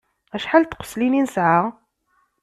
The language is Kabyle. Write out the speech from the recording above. Acḥal n tqeslin i nesɛa?